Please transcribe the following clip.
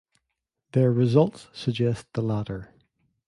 Their results suggest the latter.